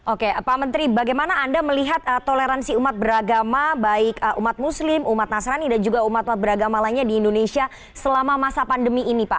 oke pak menteri bagaimana anda melihat toleransi umat beragama baik umat muslim umat nasrani dan juga umat umat beragama lainnya di indonesia selama masa pandemi ini pak